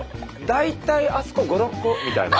大体あそこ５６個みたいな。